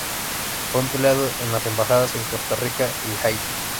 Fue empleado en las Embajadas en Costa Rica y Haití.